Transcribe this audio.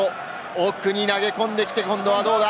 奥に投げ込んできて今度はどうだ？